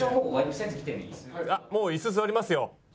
あっもうイス座りますよ。